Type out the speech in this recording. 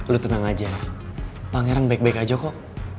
lu tenang aja pangeran baik baik aja kok